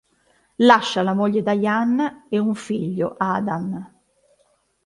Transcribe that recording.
Lascia la moglie Diane, e un figlio, Adam.